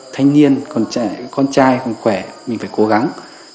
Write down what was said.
thanh niên con trai còn khỏe mình phải cố gắng